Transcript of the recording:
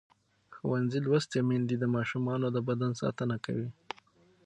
ښوونځې لوستې میندې د ماشومانو د بدن ساتنه کوي.